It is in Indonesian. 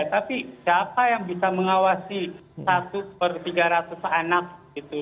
tapi siapa yang bisa mengawasi satu per tiga ratus anak gitu